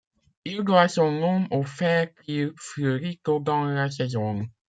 Il doit son nom au fait qu'il fleurit tôt dans la saison.